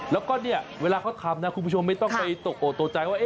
แล้วก็เวลาเขาทำนะคุณผู้ชมไม่ต้องไปโต๊ะใจว่า